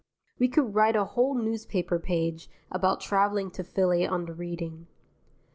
We could write a whole newspaper page about travelling to Philly on the Reading.